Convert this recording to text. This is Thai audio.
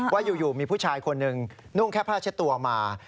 ว่าอยู่มีผู้ชายคนหนึ่งนุ่งแค่ผ้าเช็ดตัวมา